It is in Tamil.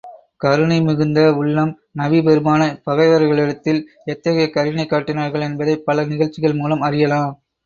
கருணை மிகுந்த உள்ளம் நபி பெருமானார், பகைவர்களிடத்தில் எத்தகைய கருணை காட்டினார்கள் என்பதைப் பல நிகழ்ச்சிகள் மூலம் அறியலாம்.